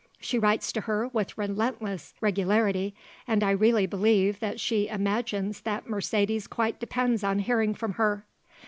She writes to her with relentless regularity and I really believe that she imagines that Mercedes quite depends on hearing from her.